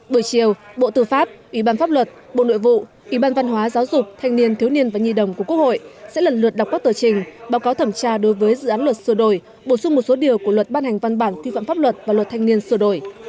bữa chiều bộ tư pháp ủy ban pháp luật bộ nội vụ ủy ban văn hóa giáo dục thanh niên thiếu niên và nhi đồng của quốc hội sẽ lần lượt đọc các tờ trình báo cáo thẩm tra đối với dự án luật sửa đổi bổ sung một số điều của luật ban hành văn bản quy phạm pháp luật và luật thanh niên sửa đổi